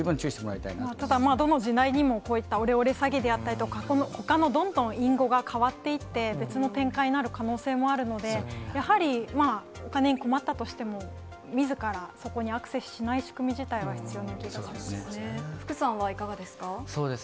ただ、どの時代にも、こういったオレオレ詐欺であったりとか、ほかのどんどん隠語が変わっていって、別の展開になる可能性もあるので、やはりまあ、お金に困ったとしても、みずからそこにアクセスしない仕組み自体は必要な気がしますね。